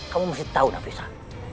kamu mesti tahu nafisa